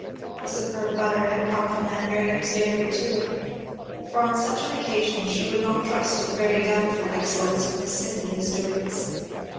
The superb butter had come from aunt Miriam's dairy too, for on such an occasion she would not trust to the very doubtful excellence of Miss Cynthia's doings.